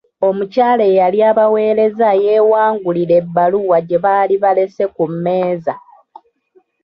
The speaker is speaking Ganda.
Omukyala eyali abaweereza yeewangulira ebbaluwa gye baali balese ku mmeeza.